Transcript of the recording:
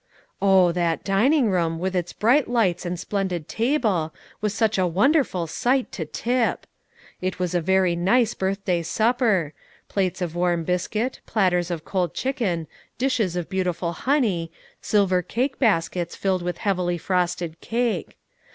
Oh, that dining room, with its bright lights and splendid table, was such a wonderful sight to Tip! It was a very nice birthday supper, plates of warm biscuit, platters of cold chicken, dishes of beautiful honey, silver cake baskets, filled with heavily frosted cake.